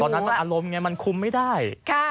ตอนนั้นมันอารมณ์ไงมันคุมไม่ได้